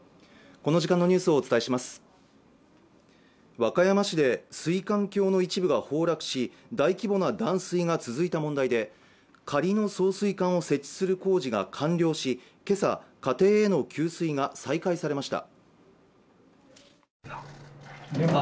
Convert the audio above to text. この時間のニュースをお伝えします和歌山市で水管橋の一部が崩落し大規模な断水が続いた問題で仮の送水管を設置する工事が完了しけさ家庭への給水が再開されました